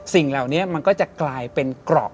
สิ่งเหล่านี้มันก็จะกลายเป็นเกราะ